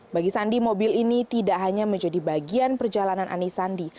bagi sandi mobil ini tidak hanya menjadi bagian perjalanan ani sandi